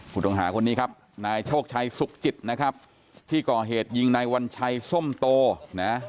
ผู้ต้องหาคนนี้ครับนายโชคชัยสุขจิตนะครับที่ก่อเหตุยิงนายวัญชัยส้มโตนะ